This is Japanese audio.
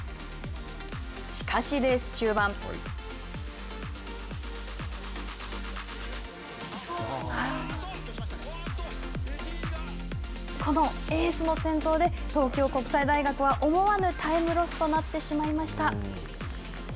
しかし、レース中盤このエースの転倒で東京国際大学は思わぬタイムロスとなってしまいました。